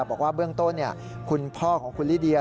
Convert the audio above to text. บอกว่าเบื้องต้นคุณพ่อของคุณลิเดีย